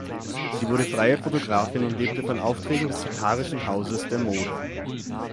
Sie wurde freie Fotografin und lebte von Aufträgen des Tatarischen Hauses der Mode.